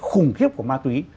khủng khiếp của ma túy